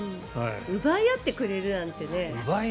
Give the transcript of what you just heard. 奪い合ってくれるなんてね。